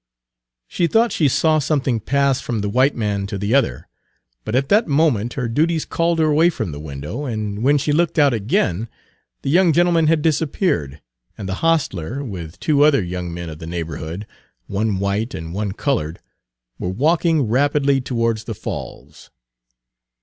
She thought she saw something pass from the white man to the other, but at that moment her duties called her away from the window, and when she looked out again the young gentleman had disappeared, and the hostler, with two other young men of the neighborhood, one white and one colored, were walking rapidly towards the Falls.